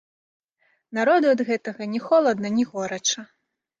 Народу ад гэтага ні холадна, ні горача.